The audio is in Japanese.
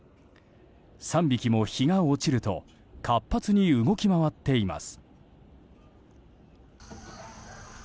３匹も日が落ちると活発に動き回っています。